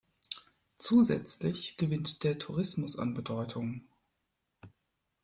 Zusätzlich gewinnt der Tourismus an Bedeutung.